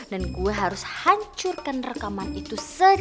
dan gue harus hancurkan rekaman itu secepat mungkin